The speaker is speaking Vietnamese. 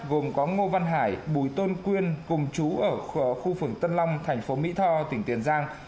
gồm có ngô văn hải bùi tôn quyên cùng chú ở khu phường tân long thành phố mỹ tho tỉnh tiền giang